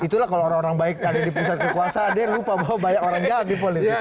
itulah kalau orang orang baik ada di pusat kekuasaan dia lupa bahwa banyak orang jahat di politik